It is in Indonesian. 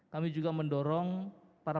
kami juga mendorong para